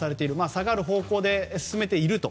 下がる方向で進めていると。